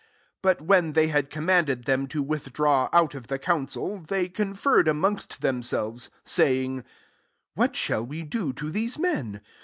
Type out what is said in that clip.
15 But when they had Mimmanded them to withdraw mt of the council, they confer red amongst themselves, 16 laymg, What shall we do to hese men?